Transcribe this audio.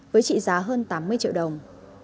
với trị giá hơn tám mươi triệu đồng